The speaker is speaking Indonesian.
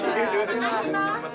terima kasih mas